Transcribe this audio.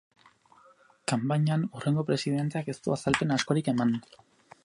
Kanpainan, hurrengo presidenteak ez du azalpen askorik eman.